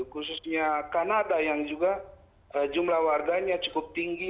khususnya kanada yang juga jumlah warganya cukup tinggi